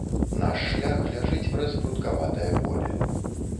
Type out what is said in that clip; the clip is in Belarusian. Наш шлях ляжыць праз грудкаватае поле.